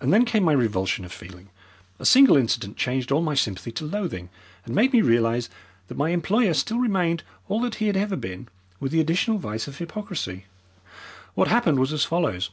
And then came my revulsion of feeling. A single incident changed all my sympathy to loathing, and made me realize that my employer still remained all that he had ever been, with the additional vice of hypocrisy. What happened was as follows.